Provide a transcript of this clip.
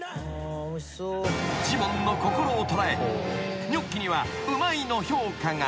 ［ジモンの心を捉えニョッキにはうまいの評価が］